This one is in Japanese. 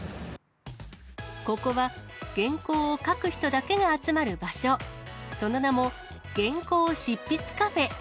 ここは、原稿を書く人だけが集まる場所、その名も、原稿執筆カフェ。